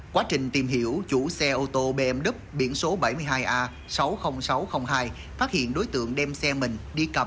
quá trình tìm hiểu chủ xe ô tô bmw biển số bảy mươi hai a sáu mươi nghìn sáu trăm linh hai phát hiện đối tượng đem xe mình đi cầm